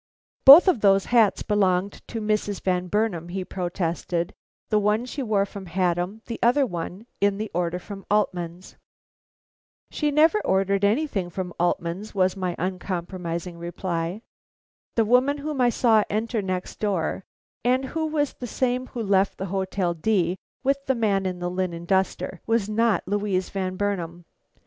"Both of those hats belonged to Mrs. Van Burnam," he protested; "the one she wore from Haddam; the other was in the order from Altman's." "She never ordered anything from Altman's," was my uncompromising reply. "The woman whom I saw enter next door, and who was the same who left the Hotel D with the man in the linen duster, was not Louise Van Burnam.